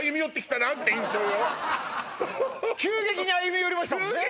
急激に歩み寄りましたもんね